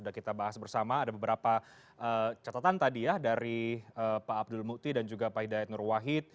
dampak dampak itu dibahas ya